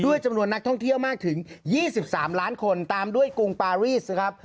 จำนวนนักท่องเที่ยวมากถึง๒๓ล้านคนตามด้วยกรุงปารีสนะครับ